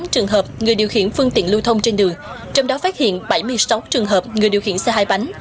trường hợp người điều khiển phương tiện lưu thông trên đường trong đó phát hiện bảy mươi sáu trường hợp người điều khiển xe hai bánh